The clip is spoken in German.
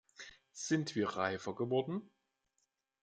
Sind wir reifer geworden?